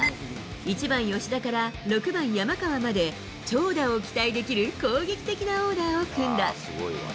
１番吉田から、６番山川まで、長打を期待できる攻撃的なオーダーを組んだ。